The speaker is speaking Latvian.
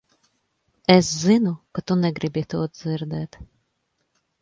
Es zinu, ka tu negribi to dzirdēt.